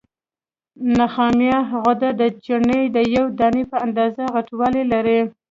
نخامیه غده د چڼې د یوې دانې په اندازه غټوالی لري.